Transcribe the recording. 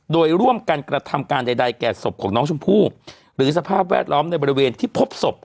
โดยร่วมกันกระทำการใดแก่ศพของน้องชมพู่หรือสภาพแวดล้อมในบริเวณที่พบศพ